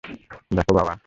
দেখো, বাবা!